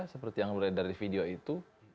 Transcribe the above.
seperti yang beredar di video itu